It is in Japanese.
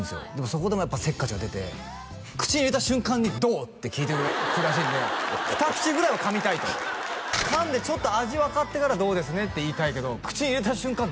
そこでもやっぱせっかちが出て口に入れた瞬間に「どう？」って聞いてくるらしいんでふた口ぐらいは噛みたいと噛んでちょっと味分かってからどうですねって言いたいけど口に入れた瞬間